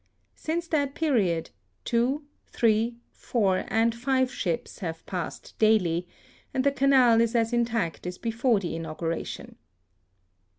Since that period two, three, four, and five ships have passed daily, and the Canal is as intact as before the inauguration.